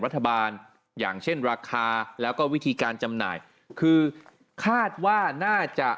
รัฐบาลอย่างเช่นราคาแล้วก็วิธีการจำหน่ายคือคาดว่าน่าจะ